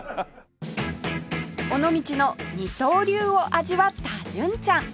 尾道の二刀流を味わった純ちゃん